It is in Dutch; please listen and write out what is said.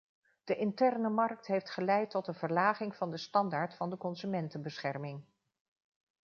De interne markt heeft geleid tot een verlaging van de standaard van de consumentenbescherming.